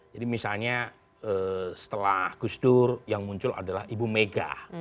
misalnya setelah gus dur yang muncul adalah ibu mega